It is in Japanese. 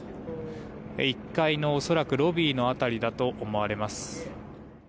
１階の恐らくロビー辺りだと思われます。